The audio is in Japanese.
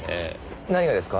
何がですか？